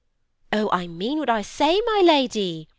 Oh, I mean what I say, my lady!